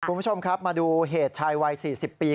คุณผู้ชมครับมาดูเหตุชายวัย๔๐ปี